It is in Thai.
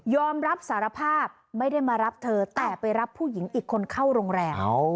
อมรับสารภาพไม่ได้มารับเธอแต่ไปรับผู้หญิงอีกคนเข้าโรงแรม